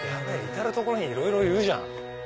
至る所にいろいろいるじゃん。